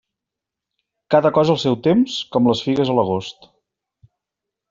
Cada cosa al seu temps, com les figues a l'agost.